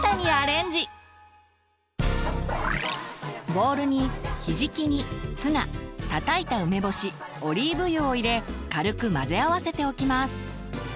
ボウルにひじき煮ツナたたいた梅干しオリーブ油を入れ軽く混ぜ合わせておきます。